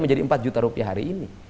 menjadi empat juta rupiah hari ini